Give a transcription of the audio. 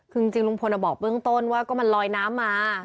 คือจริงลุงพลบอกเบื้องต้นว่าก็มันลอยน้ำมา